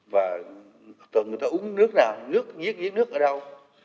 và người ta uống nước nào nước nhiếc nhiếc nước ở đâu